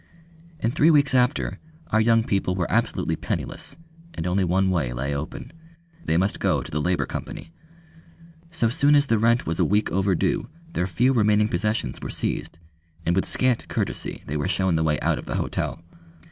And three weeks after our young people were absolutely penniless, and only one way lay open. They must go to the Labour Company. So soon as the rent was a week overdue their few remaining possessions were seized, and with scant courtesy they were shown the way out of the hotel.